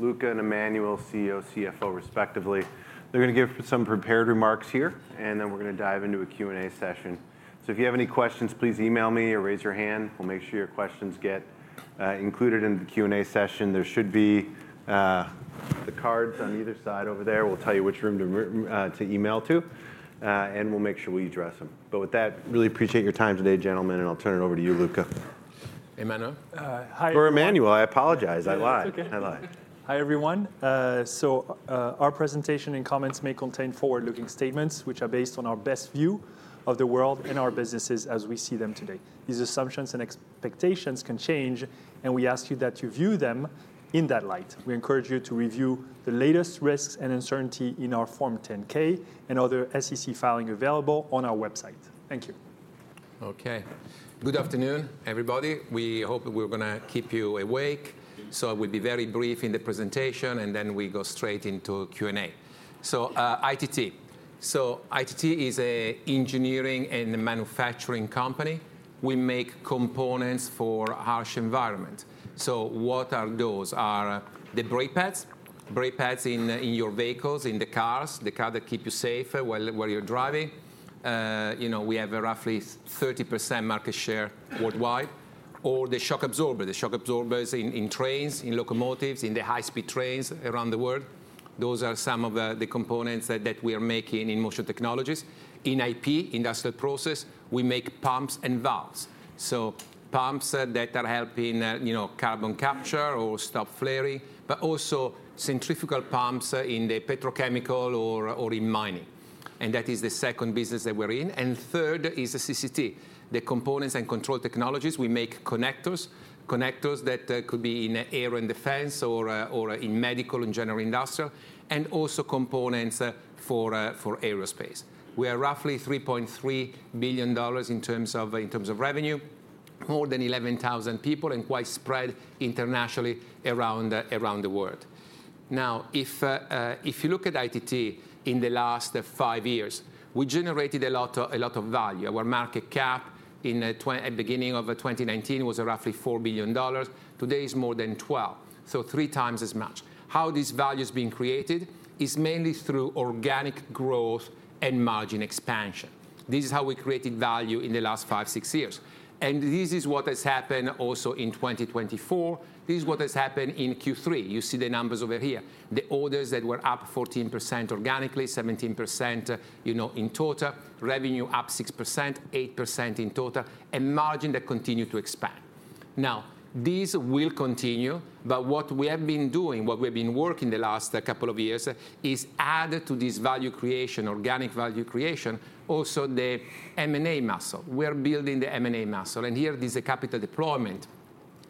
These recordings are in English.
Luca and Emmanuel, CEO, CFO, respectively. They're going to give some prepared remarks here, and then we're going to dive into a Q&A session. So if you have any questions, please email me or raise your hand. We'll make sure your questions get included in the Q&A session. There should be the cards on either side over there. We'll tell you which room to email to, and we'll make sure we address them. But with that, really appreciate your time today, gentlemen, and I'll turn it over to you, Luca. Emmanuel. Hi. Or Emmanuel, I apologize. I lied. That's OK. I lied. Hi, everyone. So our presentation and comments may contain forward-looking statements which are based on our best view of the world and our businesses as we see them today. These assumptions and expectations can change, and we ask you that you view them in that light. We encourage you to review the latest risks and uncertainty in our Form 10-K and other SEC filing available on our website. Thank you. OK. Good afternoon, everybody. We hope we're going to keep you awake, so we'll be very brief in the presentation, and then we go straight into Q&A. ITT. ITT is an engineering and manufacturing company. We make components for harsh environments. What are those? Are they brake pads? Brake pads in your vehicles, in the cars, the car that keeps you safe while you're driving? We have roughly 30% market share worldwide. The shock absorbers. The shock absorbers in trains, in locomotives, in the high-speed trains around the world. Those are some of the components that we are making in Motion Technologies. In IP, Industrial Process, we make pumps and valves. Pumps that are helping carbon capture or stop flaring, but also centrifugal pumps in the petrochemical or in mining. That is the second business that we're in. Third is CCT, the Connect and Control Technologies. We make connectors, connectors that could be in aerospace and defense or in medical and general industrial, and also components for aerospace. We are roughly $3.3 billion in terms of revenue, more than 11,000 people, and quite spread internationally around the world. Now, if you look at ITT in the last five years, we generated a lot of value. Our market cap in the beginning of 2019 was roughly $4 billion. Today it's more than $12 billion, so three times as much. How these values have been created is mainly through organic growth and margin expansion. This is how we created value in the last 5-6 years. And this is what has happened also in 2024. This is what has happened in Q3. You see the numbers over here. The orders that were up 14% organically, 17% in total, revenue up 6%, 8% in total, and margin that continued to expand. Now, these will continue, but what we have been doing, what we have been working on the last couple of years, is add to this value creation, organic value creation, also the M&A muscle. We are building the M&A muscle. And here is the capital deployment,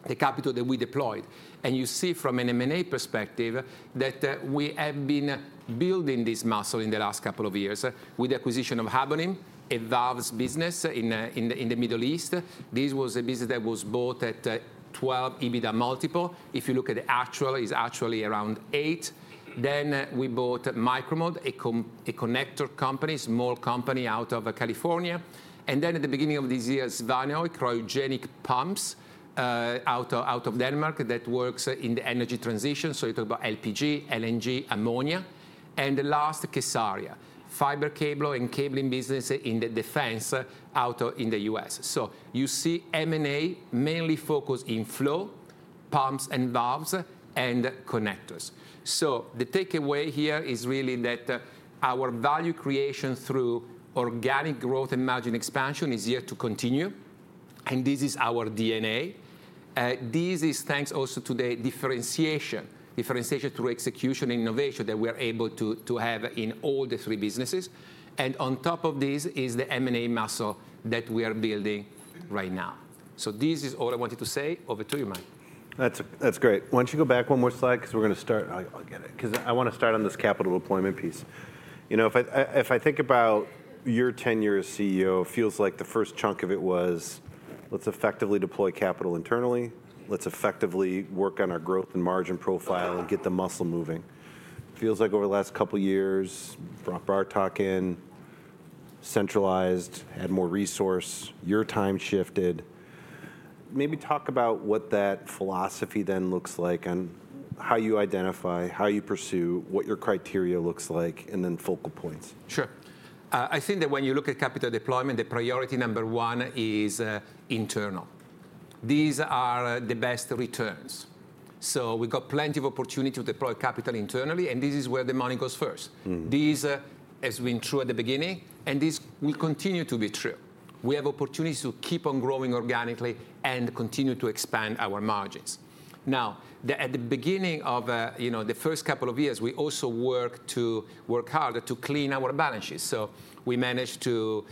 the capital that we deployed. And you see from an M&A perspective that we have been building this muscle in the last couple of years with the acquisition of Habonim, a valves business in the Middle East. This was a business that was bought at 12 EBITDA multiple. If you look at the actual, it's actually around 8. Then we bought Micro-Mode, a connector company, a small company out of California. At the beginning of this year, Svanehøj, cryogenic pumps out of Denmark that works in the energy transition. You talk about LPG, LNG, ammonia. The last, kSARIA, fiber cable and cabling business in the defense out in the U.S. You see M&A mainly focused in flow, pumps and valves, and connectors. The takeaway here is really that our value creation through organic growth and margin expansion is here to continue. This is our DNA. This is thanks also to the differentiation, differentiation through execution and innovation that we are able to have in all the three businesses. On top of this is the M&A muscle that we are building right now. This is all I wanted to say. Over to you, Mike. That's great. Why don't you go back one more slide because we're going to start. I'll get it. Because I want to start on this capital deployment piece. If I think about your tenure as CEO, it feels like the first chunk of it was, let's effectively deploy capital internally. Let's effectively work on our growth and margin profile and get the muscle moving. Feels like over the last couple of years, brought Bartek in, centralized, had more resource. Your time shifted. Maybe talk about what that philosophy then looks like and how you identify, how you pursue, what your criteria looks like, and then focal points. Sure. I think that when you look at capital deployment, the priority number one is internal. These are the best returns. So we've got plenty of opportunity to deploy capital internally, and this is where the money goes first. This has been true at the beginning, and this will continue to be true. We have opportunities to keep on growing organically and continue to expand our margins. Now, at the beginning of the first couple of years, we also worked harder to clean our balances. So we managed to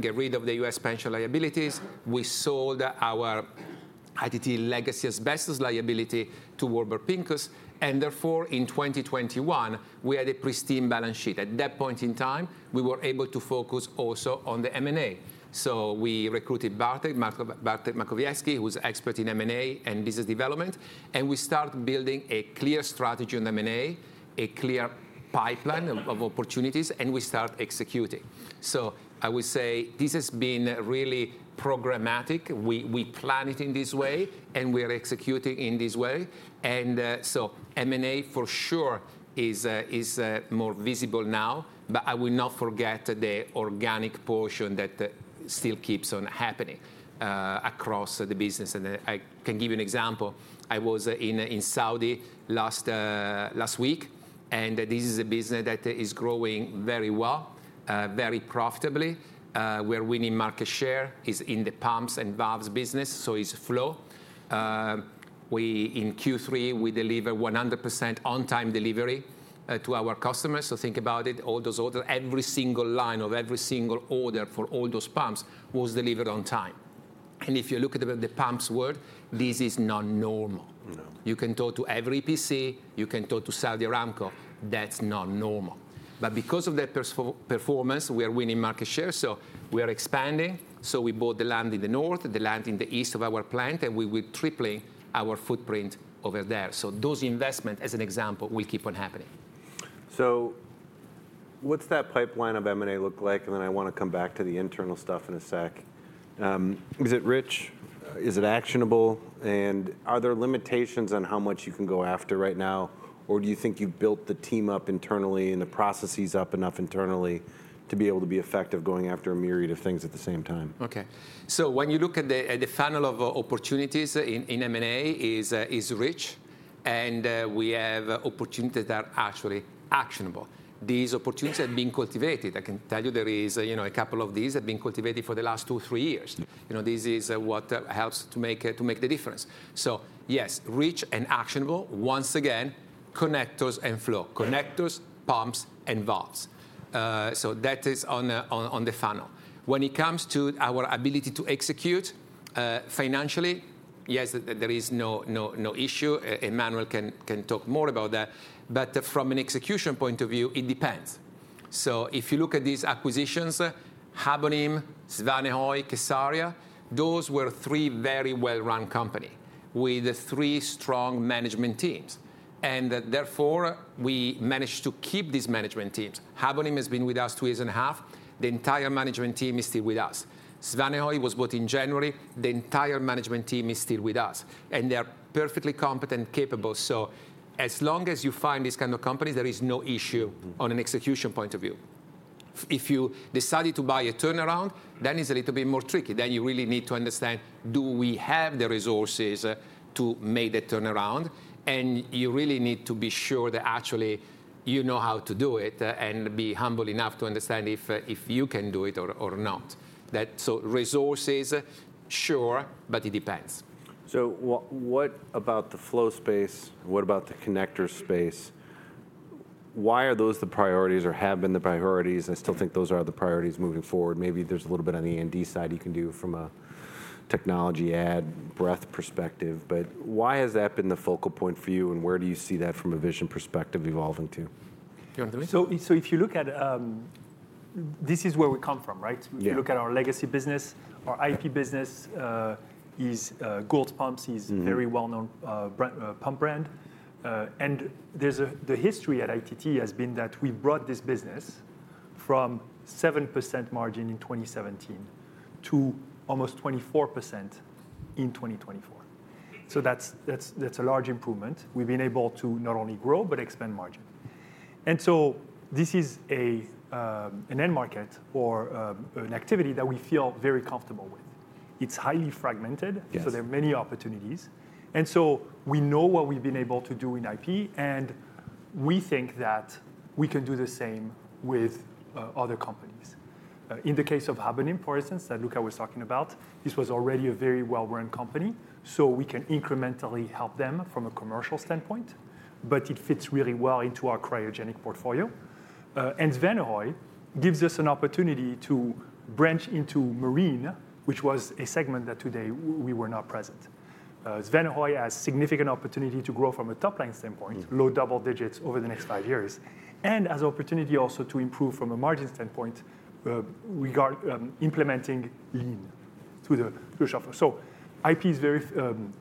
get rid of the U.S. pension liabilities. We sold our ITT Legacy Investors liability to Warburg Pincus. And therefore, in 2021, we had a pristine balance sheet. At that point in time, we were able to focus also on the M&A. So we recruited Bartek Makowiecki, who's an expert in M&A and business development. We started building a clear strategy on M&A, a clear pipeline of opportunities, and we started executing. So I would say this has been really programmatic. We plan it in this way, and we are executing in this way. And so M&A, for sure, is more visible now, but I will not forget the organic portion that still keeps on happening across the business. And I can give you an example. I was in Saudi last week, and this is a business that is growing very well, very profitably, where winning market share is in the pumps and valves business, so it's flow. In Q3, we deliver 100% on-time delivery to our customers. So think about it. All those orders, every single line of every single order for all those pumps was delivered on time. And if you look at the pumps world, this is not normal. You can talk to every EPC. You can talk to Saudi Aramco. That's not normal. But because of that performance, we are winning market share. So we are expanding. So we bought the land in the north, the land in the east of our plant, and we will triple our footprint over there. So those investments, as an example, will keep on happening. So what's that pipeline of M&A look like? And then I want to come back to the internal stuff in a sec. Is it rich? Is it actionable? And are there limitations on how much you can go after right now? Or do you think you've built the team up internally and the processes up enough internally to be able to be effective going after a myriad of things at the same time? OK. So when you look at the funnel of opportunities in M&A, it's rich, and we have opportunities that are actually actionable. These opportunities have been cultivated. I can tell you there is a couple of these that have been cultivated for the last 2-3 years. This is what helps to make the difference. So yes, rich and actionable. Once again, connectors and flow, connectors, pumps, and valves. So that is on the funnel. When it comes to our ability to execute financially, yes, there is no issue. Emmanuel can talk more about that. But from an execution point of view, it depends. So if you look at these acquisitions, Habonim, Svanehøj, kSARIA, those were three very well-run companies with three strong management teams. And therefore, we managed to keep these management teams. Habonim has been with us two years and a half. The entire management team is still with us. Svanehøj was bought in January. The entire management team is still with us, and they are perfectly competent, capable, so as long as you find these kinds of companies, there is no issue on an execution point of view. If you decide to buy a turnaround, then it's a little bit more tricky, then you really need to understand, do we have the resources to make that turnaround, and you really need to be sure that actually you know how to do it and be humble enough to understand if you can do it or not, so resources, sure, but it depends. So what about the flow space? What about the connector space? Why are those the priorities or have been the priorities? I still think those are the priorities moving forward. Maybe there's a little bit on the A&D side you can do from a technology add breadth perspective. But why has that been the focal point for you? And where do you see that from a vision perspective evolving to? Do you want to do it? So if you look at this is where we come from, right? If you look at our legacy business, our ITT business is Goulds Pumps. It's a very well-known pump brand. And the history at ITT has been that we brought this business from 7% margin in 2017 to almost 24% in 2024. So that's a large improvement. We've been able to not only grow but expand margin. And so this is an end market or an activity that we feel very comfortable with. It's highly fragmented, so there are many opportunities. And so we know what we've been able to do in ITT, and we think that we can do the same with other companies. In the case of Habonim, for instance, that Luca was talking about, this was already a very well-run company. We can incrementally help them from a commercial standpoint, but it fits really well into our cryogenic portfolio. Svanehøj gives us an opportunity to branch into marine, which was a segment that today we were not present. Svanehøj has a significant opportunity to grow from a top-line standpoint, low double digits over the next five years, and has an opportunity also to improve from a margin standpoint regarding implementing lean through the shop floor. ITT's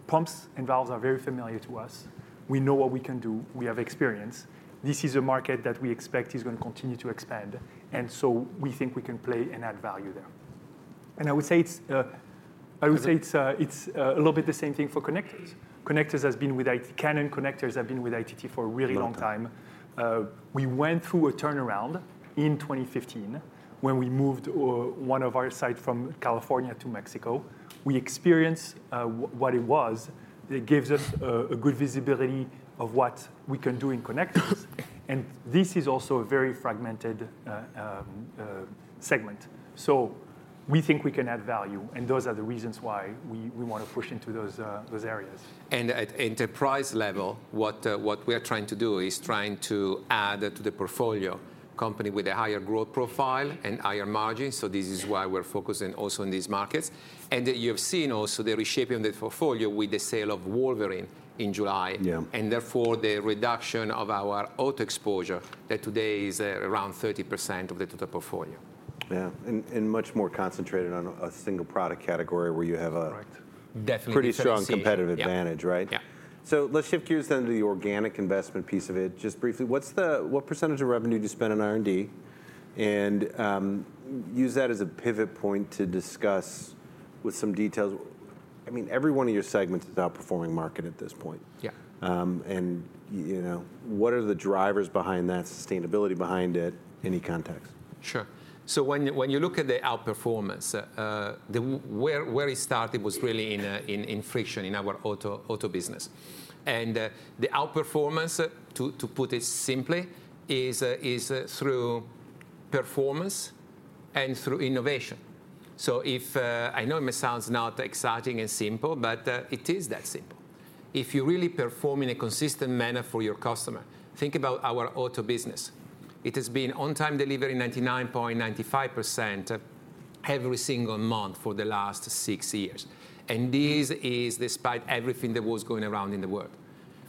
pumps and valves are very familiar to us. We know what we can do. We have experience. This is a market that we expect is going to continue to expand. We think we can play and add value there. I would say it's a little bit the same thing for connectors. Connectors has been with ITT. Cannon connectors have been with ITT for a really long time. We went through a turnaround in 2015 when we moved one of our sites from California to Mexico. We experienced what it was. It gives us a good visibility of what we can do in connectors. And this is also a very fragmented segment. So we think we can add value. And those are the reasons why we want to push into those areas. And at enterprise level, what we are trying to do is trying to add to the portfolio a company with a higher growth profile and higher margins. So this is why we're focusing also in these markets. And you have seen also the reshaping of the portfolio with the sale of Wolverine in July. And therefore, the reduction of our auto exposure that today is around 30% of the total portfolio. Yeah, and much more concentrated on a single product category where you have a pretty strong competitive advantage, right? Correct. Yeah. So, let's shift gears then to the organic investment piece of it. Just briefly, what percentage of revenue do you spend on R&D? And use that as a pivot point to discuss with some details. I mean, every one of your segments is outperforming market at this point. Yeah. What are the drivers behind that, sustainability behind it, any context? Sure. So when you look at the outperformance, where it started was really in Friction in our auto business. And the outperformance, to put it simply, is through performance and through innovation. So I know it sounds not exciting and simple, but it is that simple. If you really perform in a consistent manner for your customer, think about our auto business. It has been on-time delivery 99.95% every single month for the last six years. And this is despite everything that was going around in the world.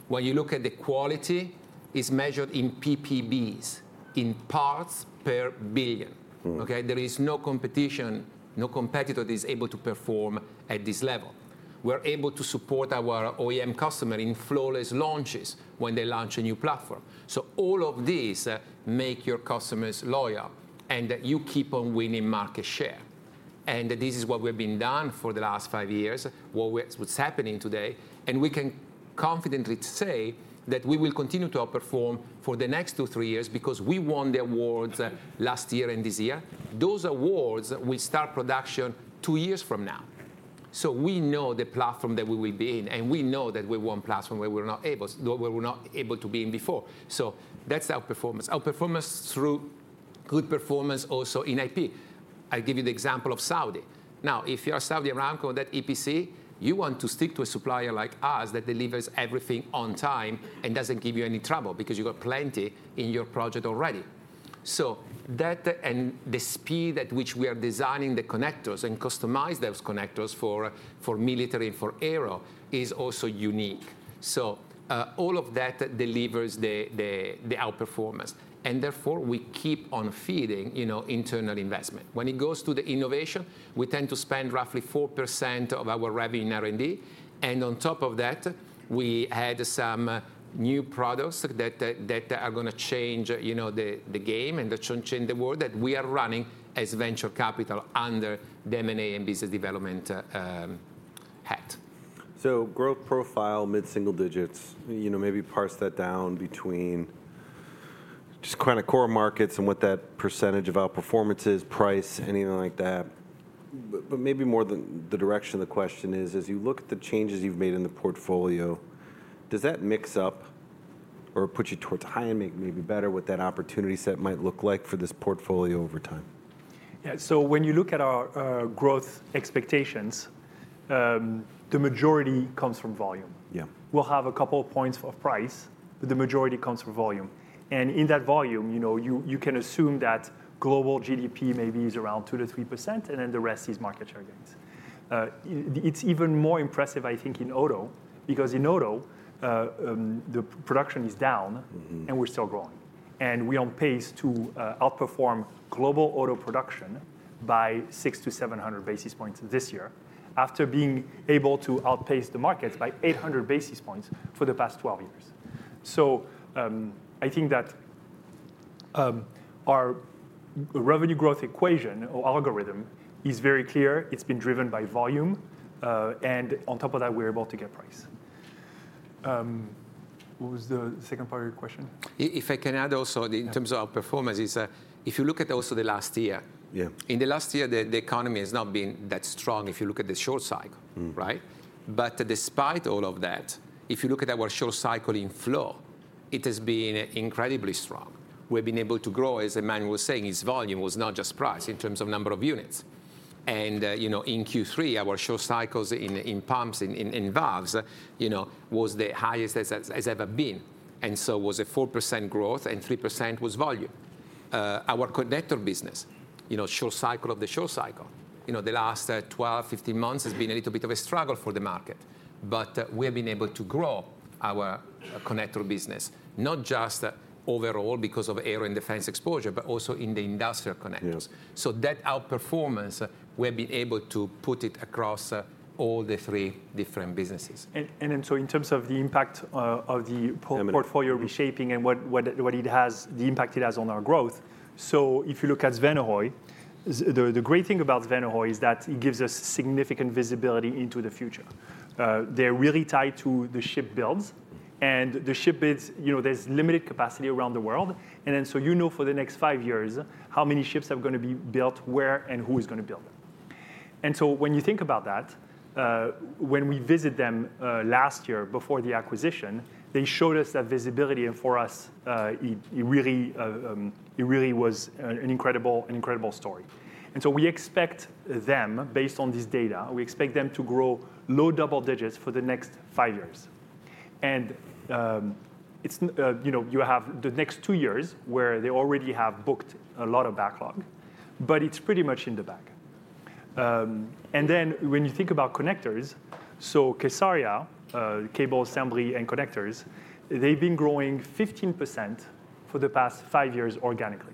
When you look at the quality, it's measured in PPBs, in parts per billion. There is no competition, no competitor that is able to perform at this level. We're able to support our OEM customer in flawless launches when they launch a new platform. So all of these make your customers loyal, and you keep on winning market share. This is what we've been doing for the last five years, what's happening today. We can confidently say that we will continue to outperform for the next 2-3 years because we won the awards last year and this year. Those awards will start production two years from now. We know the platform that we will be in, and we know that we won platforms where we were not able to be in before. That's our performance. Our performance through good performance also in ITT. I'll give you the example of Saudi. Now, if you are Saudi Aramco or that EPC, you want to stick to a supplier like us that delivers everything on time and doesn't give you any trouble because you've got plenty in your project already. So that and the speed at which we are designing the connectors and customizing those connectors for military and for aero is also unique. So all of that delivers the outperformance. And therefore, we keep on feeding internal investment. When it goes to the innovation, we tend to spend roughly 4% of our revenue in R&D. And on top of that, we had some new products that are going to change the game and change the world that we are running as venture capital under the M&A and business development hat. So, growth profile, mid-single digits. Maybe parse that down between just kind of core markets and what that percentage of outperformance is, price, anything like that. But maybe more than the direction of the question is, as you look at the changes you've made in the portfolio, does that mix up or put you towards high and maybe better what that opportunity set might look like for this portfolio over time? Yeah. So when you look at our growth expectations, the majority comes from volume. We'll have a couple of points of price, but the majority comes from volume. And in that volume, you can assume that global GDP maybe is around 2%-3%, and then the rest is market share gains. It's even more impressive, I think, in auto because in auto, the production is down, and we're still growing. And we're on pace to outperform global auto production by 600-700 basis points this year after being able to outpace the markets by 800 basis points for the past 12 years. So I think that our revenue growth equation or algorithm is very clear. It's been driven by volume. And on top of that, we're able to get price. What was the second part of your question? If I can add also in terms of our performance, if you look at also the last year, in the last year, the economy has not been that strong if you look at the short cycle, right? But despite all of that, if you look at our short cycle in flow, it has been incredibly strong. We've been able to grow, as Emmanuel was saying, its volume was not just price in terms of number of units. And in Q3, our short cycles in pumps and valves was the highest it's ever been. And so it was a 4% growth, and 3% was volume. Our connector business, short cycle of the short cycle, the last 12-15 months has been a little bit of a struggle for the market. But we have been able to grow our connector business, not just overall because of aero and defense exposure, but also in the industrial connectors. So that outperformance, we have been able to put it across all the three different businesses. And so in terms of the impact of the portfolio reshaping and what it has, the impact it has on our growth, so if you look at Svanehøj, the great thing about Svanehøj is that it gives us significant visibility into the future. They're really tied to the ship builds. And the ship builds, there's limited capacity around the world. And then so you know for the next five years how many ships are going to be built, where, and who is going to build them. And so when you think about that, when we visited them last year before the acquisition, they showed us that visibility. And for us, it really was an incredible story. And so we expect them, based on this data, we expect them to grow low double digits for the next five years. And you have the next two years where they already have booked a lot of backlog, but it's pretty much in the bag. And then when you think about connectors, so kSARIA, Cable Assembly, and Connectors, they've been growing 15% for the past five years organically.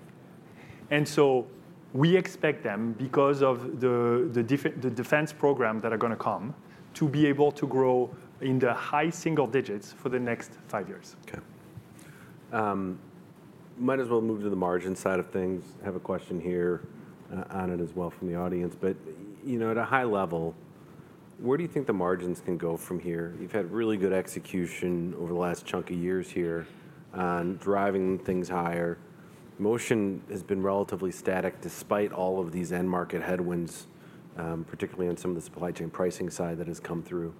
And so we expect them, because of the defense program that are going to come, to be able to grow in the high single digits for the next five years. OK. Might as well move to the margin side of things. Have a question here on it as well from the audience. But at a high level, where do you think the margins can go from here? You've had really good execution over the last chunk of years here on driving things higher. Motion has been relatively static despite all of these end market headwinds, particularly on some of the supply chain pricing side that has come through.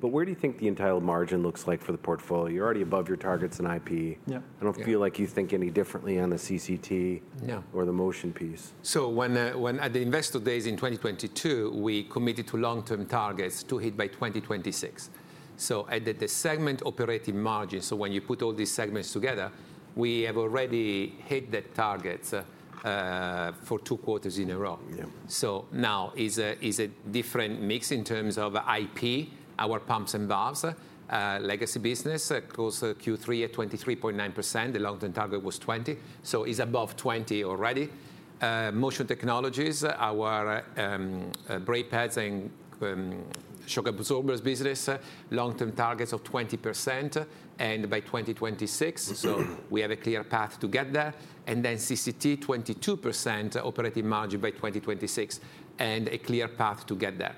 But where do you think the entire margin looks like for the portfolio? You're already above your targets in IP. I don't feel like you think any differently on the CCT or the motion piece. At the Investor Day in 2022, we committed to long-term targets to hit by 2026. At the segment operating margin, when you put all these segments together, we have already hit that target for two quarters in a row. Now is a different mix in terms of IP, our pumps and valves, legacy business, close to Q3 at 23.9%. The long-term target was 20%. It's above 20% already. Motion Technologies, our brake pads and shock absorber business, long-term targets of 20% and by 2026. We have a clear path to get there. Then CCT, 22% operating margin by 2026 and a clear path to get there.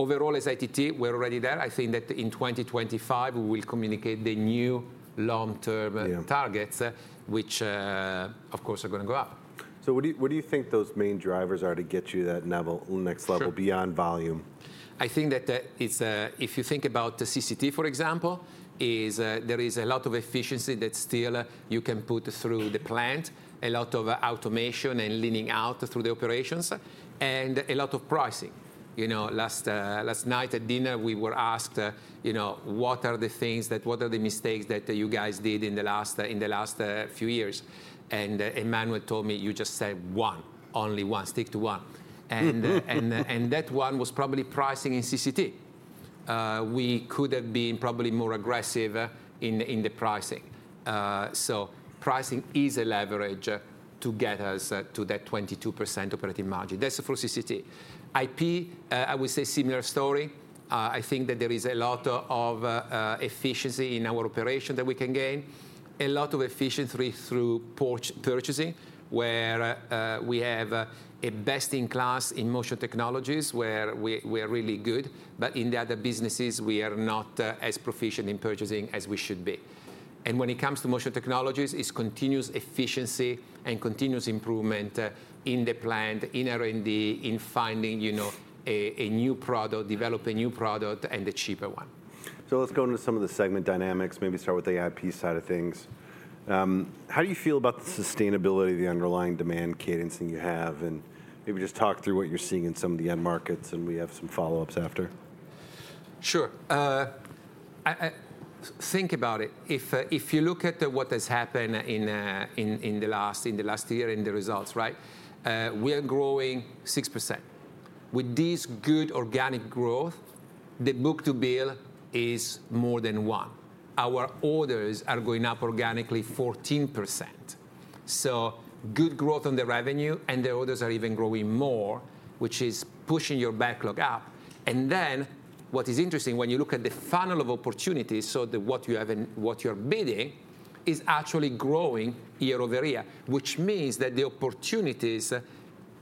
Overall, as ITT, we're already there. I think that in 2025, we will communicate the new long-term targets, which, of course, are going to go up. So what do you think those main drivers are to get you that next level beyond volume? I think that if you think about CCT, for example, there is a lot of efficiency that still you can put through the plant, a lot of automation and leaning out through the operations, and a lot of pricing. Last night at dinner, we were asked, "What are the things that the mistakes that you guys did in the last few years?" Emmanuel told me, "You just said one, only one, stick to one." That one was probably pricing in CCT. We could have been probably more aggressive in the pricing. So pricing is a leverage to get us to that 22% operating margin. That's for CCT. IP, I would say similar story. I think that there is a lot of efficiency in our operation that we can gain, a lot of efficiency through purchasing, where we have a best-in-class in Motion Technologies, where we are really good. But in the other businesses, we are not as proficient in purchasing as we should be. And when it comes to Motion Technologies, it's continuous efficiency and continuous improvement in the plant, in R&D, in finding a new product, develop a new product, and a cheaper one. So let's go into some of the segment dynamics. Maybe start with the IP side of things. How do you feel about the sustainability of the underlying demand cadence that you have? And maybe just talk through what you're seeing in some of the end markets. And we have some follow-ups after. Sure. Think about it. If you look at what has happened in the last year and the results, we are growing 6%. With this good organic growth, the book-to-bill is more than 1%. Our orders are going up organically 14%. So good growth on the revenue, and the orders are even growing more, which is pushing your backlog up. And then what is interesting, when you look at the funnel of opportunities, so what you are bidding is actually growing year over year, which means that the opportunities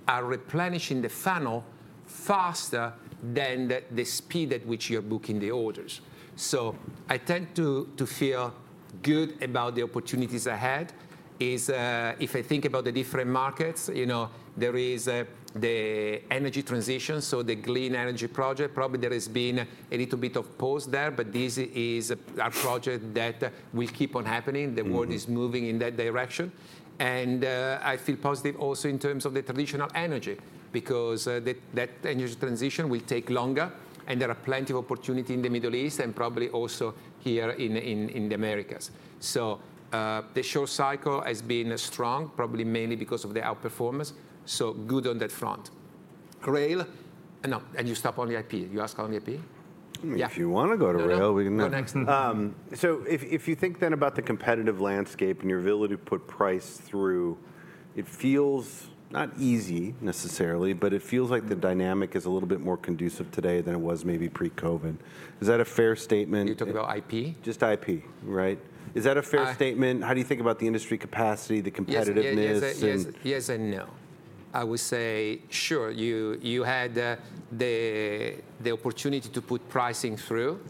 are replenishing the funnel faster than the speed at which you're booking the orders. So I tend to feel good about the opportunities ahead. If I think about the different markets, there is the energy transition, so the green energy project. Probably there has been a little bit of pause there, but this is a project that will keep on happening. The world is moving in that direction, and I feel positive also in terms of the traditional energy because that energy transition will take longer, and there are plenty of opportunities in the Middle East and probably also here in the Americas, so the short cycle has been strong, probably mainly because of the outperformance, so good on that front. Rail, no, and you stop on the IP. You asked on the IP? If you want to go to rail, we can do that. So if you think then about the competitive landscape and your ability to put price through, it feels not easy necessarily, but it feels like the dynamic is a little bit more conducive today than it was maybe pre-COVID. Is that a fair statement? You're talking about IP? Just IP, right? Is that a fair statement? How do you think about the industry capacity, the competitiveness? Yes and no. I would say, sure, you had the opportunity to put pricing through.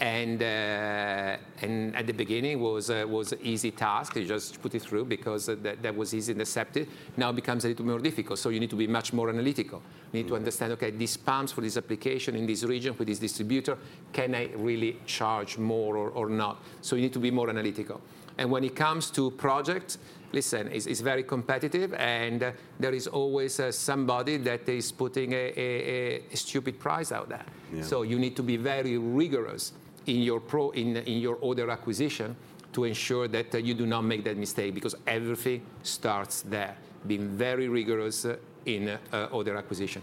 And at the beginning, it was an easy task. You just put it through because that was easy and accepted. Now it becomes a little more difficult. So you need to be much more analytical. You need to understand, these pumps for this application in this region with this distributor, can I really charge more or not? So you need to be more analytical. And when it comes to projects, listen, it's very competitive. And there is always somebody that is putting a stupid price out there. So you need to be very rigorous in your order acquisition to ensure that you do not make that mistake because everything starts there. Be very rigorous in order acquisition.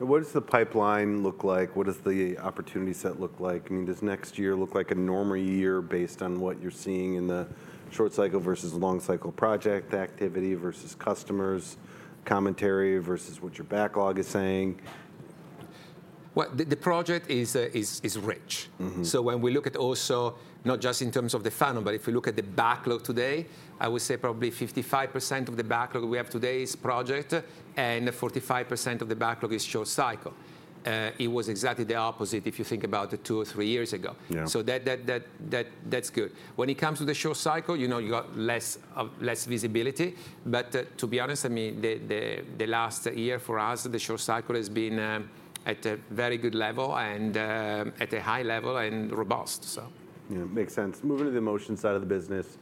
What does the pipeline look like? What does the opportunity set look like? I mean, does next year look like a normal year based on what you're seeing in the short cycle versus long cycle project activity versus customers, commentary versus what your backlog is saying? The project is rich. So when we look at also not just in terms of the funnel, but if you look at the backlog today, I would say probably 55% of the backlog we have today is project, and 45% of the backlog is short cycle. It was exactly the opposite if you think about it 2-3 years ago. So that's good. When it comes to the short cycle, you've got less visibility. But to be honest, I mean, the last year for us, the short cycle has been at a very good level and at a high level and robust. Yeah, makes sense. Moving to the Motion side of the business,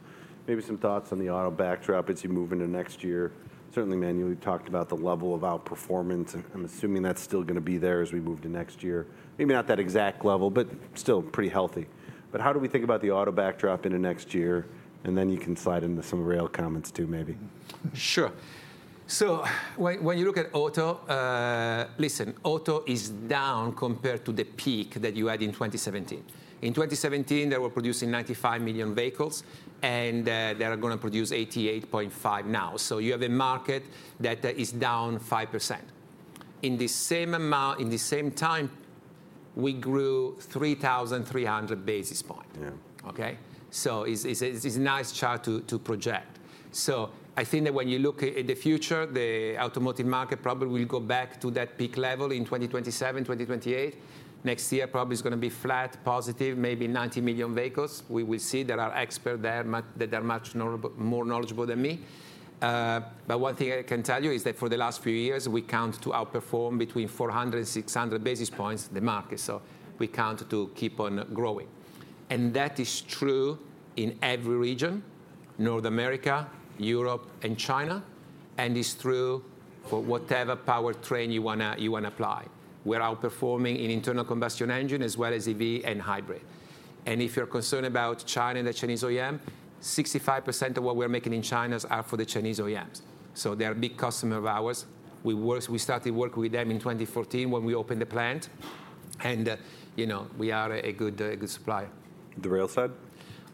maybe some thoughts on the auto backdrop as you move into next year. Certainly, Emmanuel, you talked about the level of outperformance. I'm assuming that's still going to be there as we move to next year. Maybe not that exact level, but still pretty healthy. But how do we think about the auto backdrop into next year? And then you can slide into some rail comments too, maybe. Sure. So when you look at auto, listen, auto is down compared to the peak that you had in 2017. In 2017, they were producing 95 million vehicles. And they are going to produce 88.5 now. So you have a market that is down 5%. In the same amount, in the same time, we grew 3,300 basis points. So it's a nice chart to project. So I think that when you look at the future, the automotive market probably will go back to that peak level in 2027, 2028. Next year probably is going to be flat, positive, maybe 90 million vehicles. We will see. There are experts there that are much more knowledgeable than me. But one thing I can tell you is that for the last few years, we continue to outperform between 400 and 600 basis points the market. So we continue to keep on growing. And that is true in every region, North America, Europe, and China. And it's true for whatever powertrain you want to apply. We're outperforming in internal combustion engine as well as EV and hybrid. And if you're concerned about China and the Chinese OEM, 65% of what we're making in China is for the Chinese OEMs. So they are big customers of ours. We started working with them in 2014 when we opened the plant. And we are a good supplier. The rail side?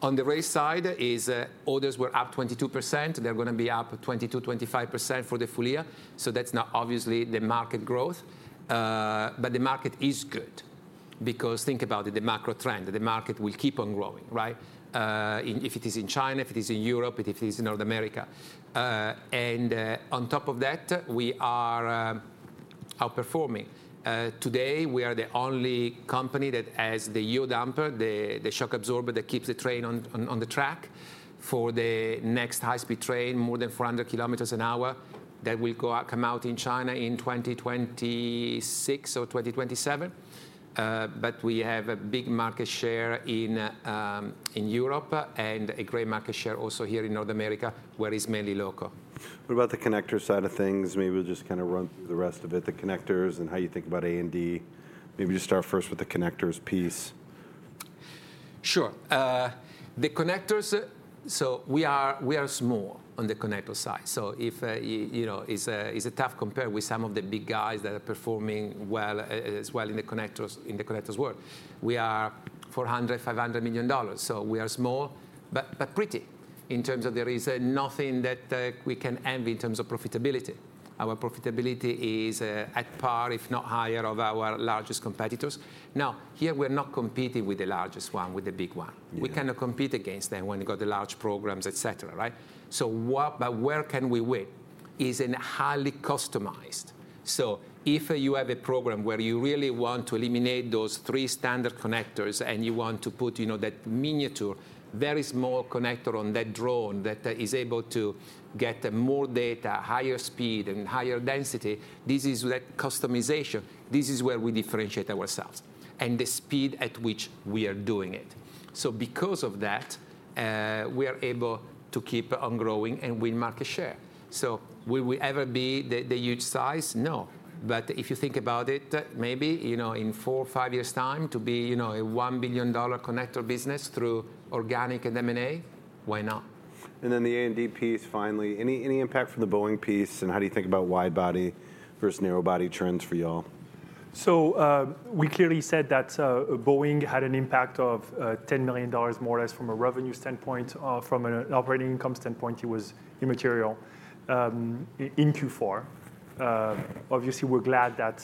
On the rail side, orders were up 22%. They're going to be up 22%-25% for the full year. So that's not obviously the market growth. But the market is good because think about it, the macro trend, the market will keep on growing, right, if it is in China, if it is in Europe, if it is in North America. And on top of that, we are outperforming. Today, we are the only company that has the yaw damper, the shock absorber that keeps the train on the track for the next high-speed train, more than 400 km/h, that will come out in China in 2026 or 2027. But we have a big market share in Europe and a great market share also here in North America, where it's mainly local. What about the connector side of things? Maybe we'll just kind of run through the rest of it, the connectors and how you think about A&D. Maybe just start first with the connectors piece. Sure. The connectors, so we are small on the connector side. So it's a tough compare with some of the big guys that are performing well as well in the connectors world. We are $400 million-$500 million. So we are small but pretty in terms of there is nothing that we can envy in terms of profitability. Our profitability is at par, if not higher, of our largest competitors. Now, here we are not competing with the largest one, with the big one. We cannot compete against them when we've got the large programs, etc. But where can we win is in highly customized. So if you have a program where you really want to eliminate those three standard connectors and you want to put that miniature, very small connector on that drone that is able to get more data, higher speed, and higher density, this is that customization. This is where we differentiate ourselves and the speed at which we are doing it. So because of that, we are able to keep on growing and win market share. So will we ever be the huge size? No. But if you think about it, maybe in 4-5 years' time to be a $1 billion connector business through organic and M&A, why not? And then the A&D piece, finally. Any impact from the Boeing piece? And how do you think about wide body versus narrow body trends for y'all? So we clearly said that Boeing had an impact of $10 million more or less from a revenue standpoint. From an operating income standpoint, it was immaterial in Q4. Obviously, we're glad that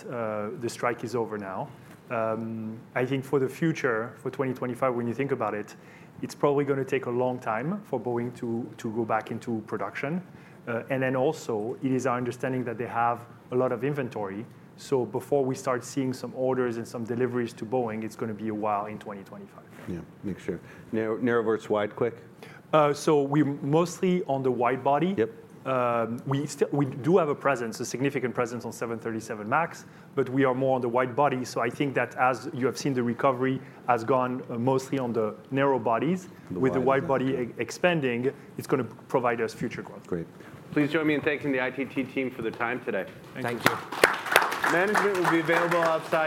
the strike is over now. I think for the future, for 2025, when you think about it, it's probably going to take a long time for Boeing to go back into production. And then also, it is our understanding that they have a lot of inventory. So before we start seeing some orders and some deliveries to Boeing, it's going to be a while in 2025. Yeah, make sure. Narrow versus wide quick? So we're mostly on the wide body. We do have a presence, a significant presence on 737 MAX, but we are more on the wide body. So I think that as you have seen, the recovery has gone mostly on the narrow bodies. With the wide body expanding, it's going to provide us future growth. Great. Please join me in thanking the ITT team for the time today. Thank you. Management will be available outside.